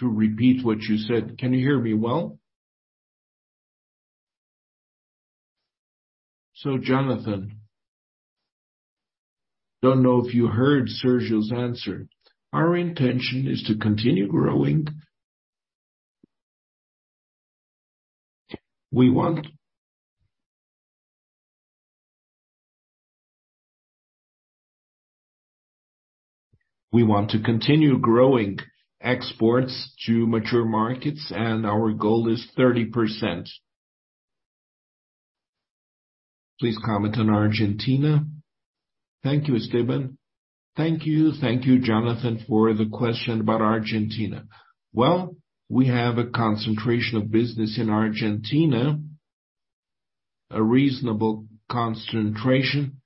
to repeat what you said. Can you hear me well? Jonathan, don't know if you heard Sergio's answer. Our intention is to continue growing. We want to continue growing exports to mature markets, and our goal is 30%. Please comment on Argentina. Thank you, Esteban. Thank you. Thank you, Jonathan, for the question about Argentina. We have a concentration of business in Argentina, a reasonable concentration.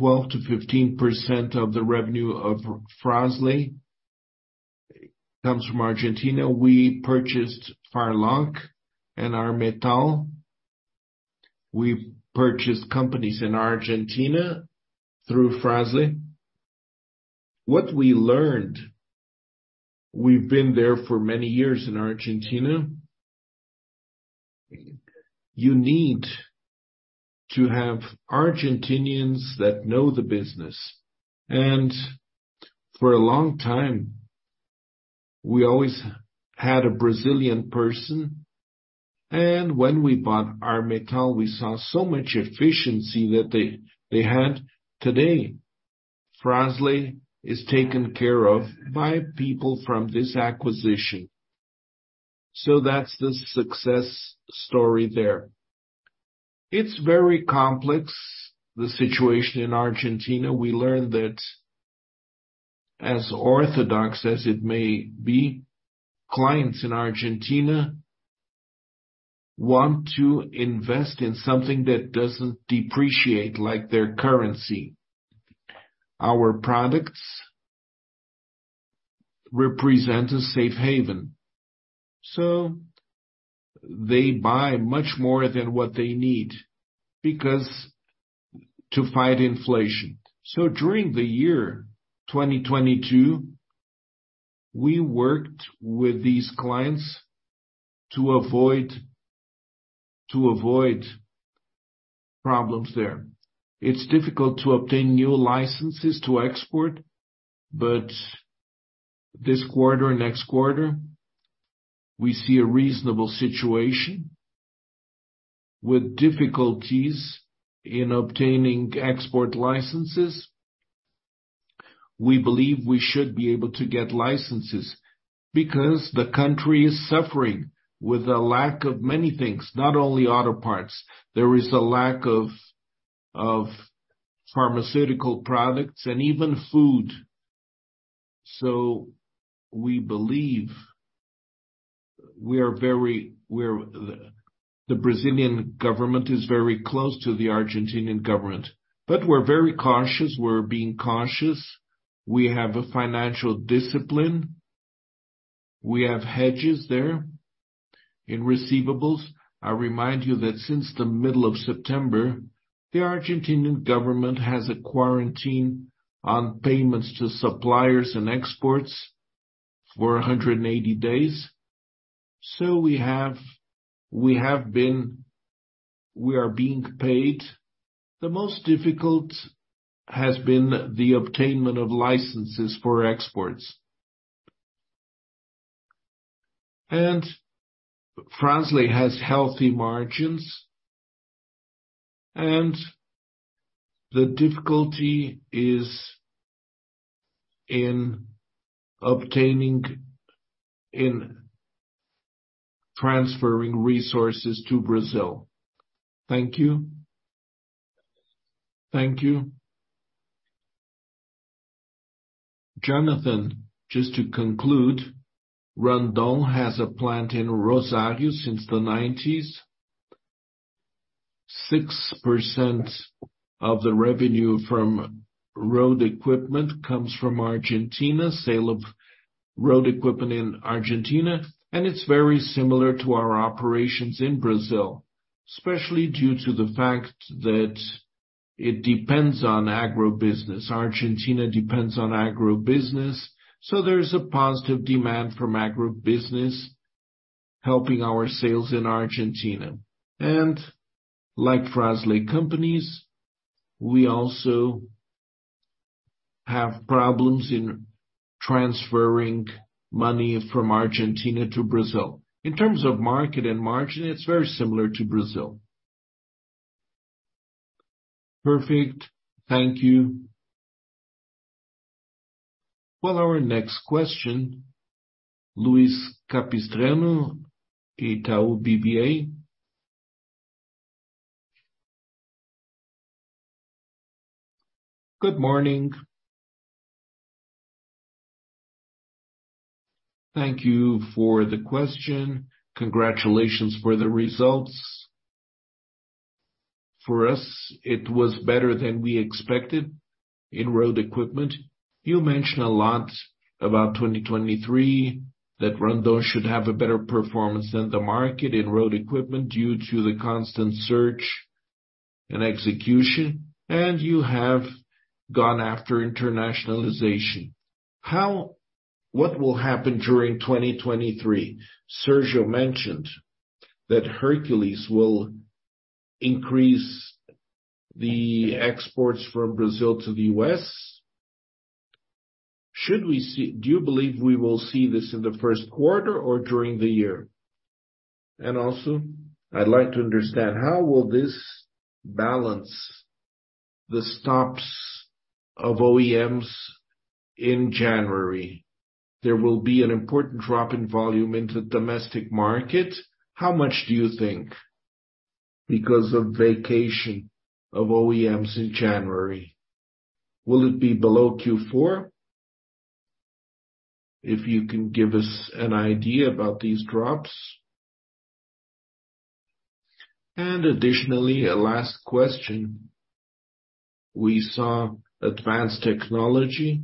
12%-15% of the revenue of Fras-le comes from Argentina. We purchased Farloc and Armetal. We purchased companies in Argentina through Fras-le. What we learned, we've been there for many years in Argentina, you need to have Argentinians that know the business. For a long time, we always had a Brazilian person. When we bought Armetal, we saw so much efficiency that they had. Today, Fras-le is taken care of by people from this acquisition. That's the success story there. It's very complex, the situation in Argentina. We learned that as orthodox as it may be, clients in Argentina want to invest in something that doesn't depreciate, like their currency. Our products represent a safe haven, so they buy much more than what they need because to fight inflation. During the year 2022, we worked with these clients to avoid problems there. It's difficult to obtain new licenses to export, this quarter, next quarter, we see a reasonable situation with difficulties in obtaining export licenses. We believe we should be able to get licenses because the country is suffering with a lack of many things, not only auto parts. There is a lack of pharmaceutical products and even food. We believe the Brazilian government is very close to the Argentinian government, but we're very cautious. We're being cautious. We have a financial discipline. We have hedges there in receivables. I remind you that since the middle of September, the Argentinian government has a quarantine on payments to suppliers and exports for 180 days. We are being paid. The most difficult has been the obtainment of licenses for exports. Fras-le has healthy margins, and the difficulty is in obtaining, in transferring resources to Brazil. Thank you. Thank you. Jonathan, just to conclude, Randon has a plant in Rosario since the 1990s. 6% of the revenue from road equipment comes from Argentina, sale of road equipment in Argentina. It's very similar to our operations in Brazil, especially due to the fact that it depends on agribusiness. Argentina depends on agribusiness, there is a positive demand from agribusiness helping our sales in Argentina. Like Fras-le companies, we have problems in transferring money from Argentina to Brazil. In terms of market and margin, it's very similar to Brazil. Perfect. Thank you. Well, our next question, Luiz Capistrano, Itaú BBA. Good morning. Thank you for the question. Congratulations for the results. For us, it was better than we expected in road equipment. You mentioned a lot about 2023, that Randon should have a better performance than the market in road equipment due to the constant search and execution, you have gone after internationalization. What will happen during 2023? Sergio mentioned that Hercules will increase the exports from Brazil to the U.S. Do you believe we will see this in the Q1 or during the year? Also, I'd like to understand how will this balance the stops of OEMs in January? There will be an important drop in volume in the domestic market. How much do you think? Because of vacation of OEMs in January, will it be below Q4? If you can give us an idea about these drops. Additionally, a last question. We saw advanced technology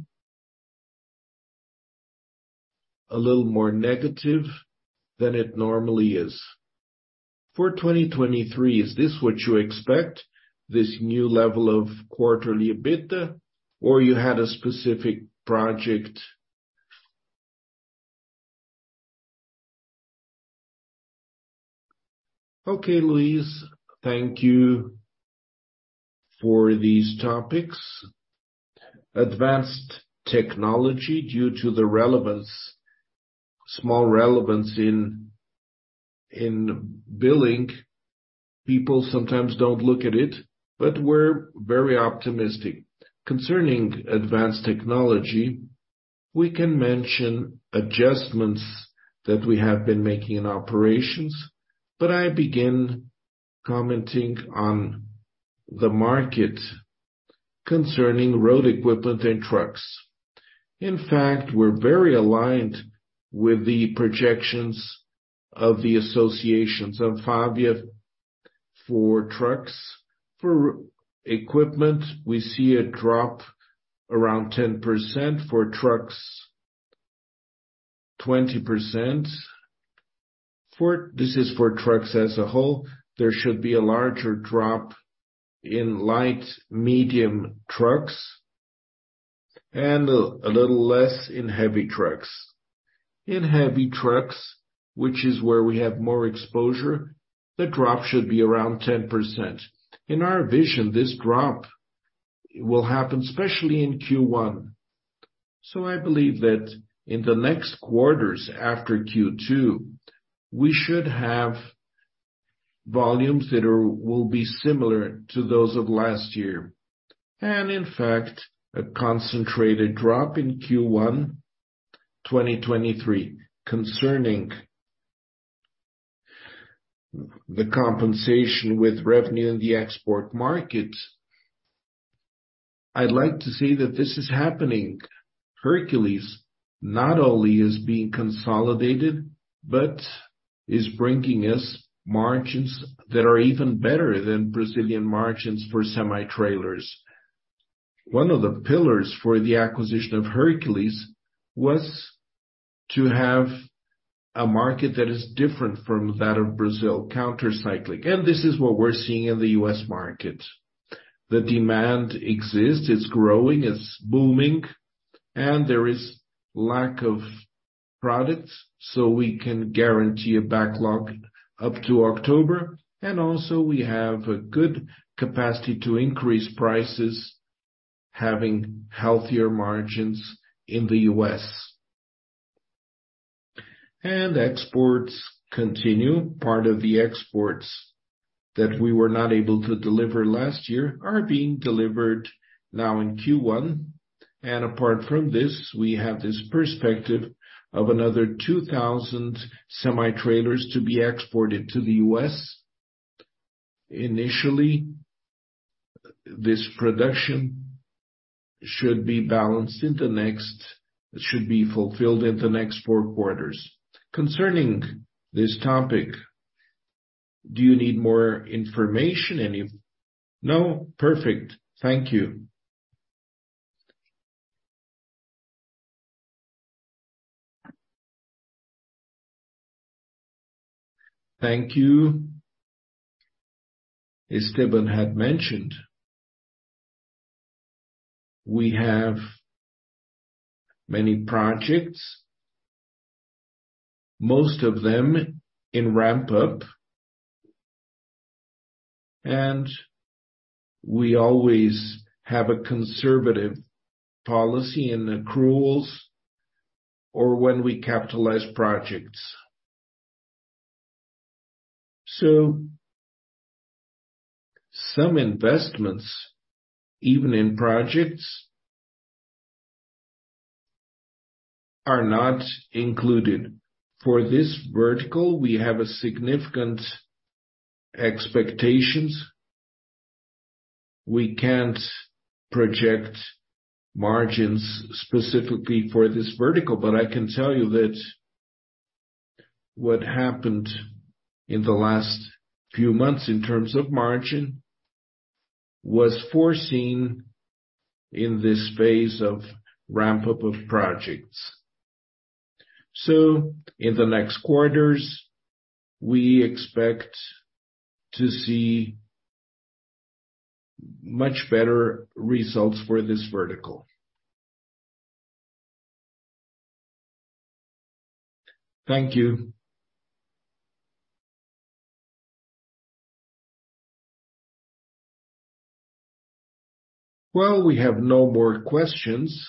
a little more negative than it normally is. For 2023, is this what you expect, this new level of quarterly EBITDA, or you had a specific project? Okay, Luiz, thank you for these topics. Advanced technology, due to the relevance, small relevance in billing, people sometimes don't look at it, but we're very optimistic. Concerning advanced technology, we can mention adjustments that we have been making in operations, but I begin commenting on the market concerning road equipment and trucks. In fact, we're very aligned with the projections of the associations of Fabia for trucks. For equipment, we see a drop around 10%, for trucks, 20%. This is for trucks as a whole. There should be a larger drop in light medium trucks, and a little less in heavy trucks. In heavy trucks, which is where we have more exposure, the drop should be around 10%. In our vision, this drop will happen especially in Q1. I believe that in the next quarters after Q2, we should have volumes that will be similar to those of last year. In fact, a concentrated drop in Q1, 2023. Concerning the compensation with revenue in the export market, I'd like to say that this is happening. Hercules not only is being consolidated, but is bringing us margins that are even better than Brazilian margins for semi-trailers. One of the pillars for the acquisition of Hercules was to have a market that is different from that of Brazil, counter-cyclic, and this is what we're seeing in the U.S. market. The demand exists, it's growing, it's booming, and there is lack of products, so we can guarantee a backlog up to October. Also we have a good capacity to increase prices, having healthier margins in the U.S. Exports continue. Part of the exports that we were not able to deliver last year are being delivered now in Q1. Apart from this, we have this perspective of another 2,000 semi-trailers to be exported to the U.S. Initially, this production should be fulfilled in the next 4 quarters. Concerning this topic, do you need more information? No. Perfect. Thank you. Thank you. Esteban had mentioned we have many projects, most of them in ramp-up. We always have a conservative policy and accruals or when we capitalize projects. Some investments, even in projects are not included. For this vertical, we have a significant expectations. We can't project margins specifically for this vertical. I can tell you that what happened in the last few months in terms of margin was foreseen in this phase of ramp-up of projects. In the next quarters, we expect to see much better results for this vertical. Thank you. Well, we have no more questions.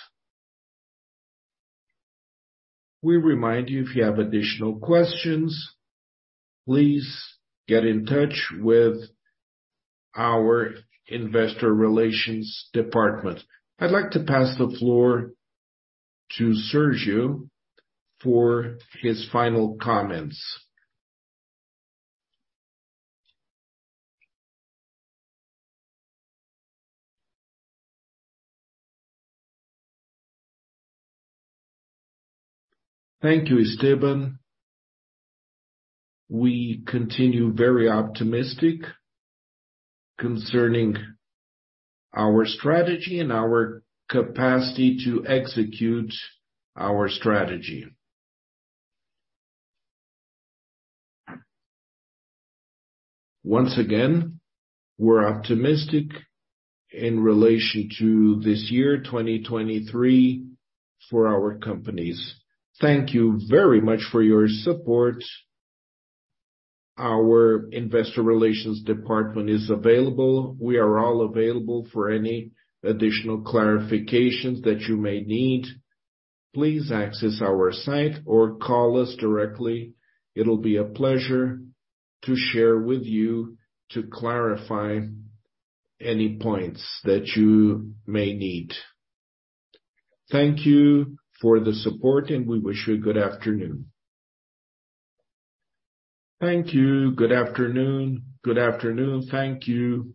We remind you, if you have additional questions, please get in touch with our investor relations department. I'd like to pass the floor to Sergio for his final comments. Thank you, Esteban. We continue very optimistic concerning our strategy and our capacity to execute our strategy. Once again, we're optimistic in relation to this year, 2023 for our companies. Thank you very much for your support. Our investor relations department is available. We are all available for any additional clarifications that you may need. Please access our site or call us directly. It'll be a pleasure to share with you to clarify any points that you may need. Thank you for the support, and we wish you a good afternoon. Thank you. Good afternoon. Good afternoon. Thank you.